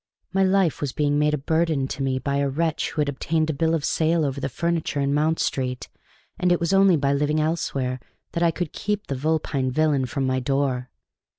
My life was being made a burden to me by a wretch who had obtained a bill of sale over the furniture in Mount Street, and it was only by living elsewhere that I could keep the vulpine villain from my door.